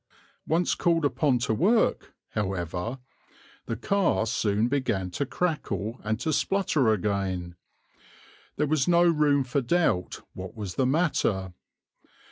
Once called upon to work, however, the car soon began to crackle and to splutter again. There was no room for doubt what was the matter.